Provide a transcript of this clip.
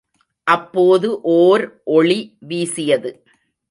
அப்போது ஓர் ஒளி வீசியது!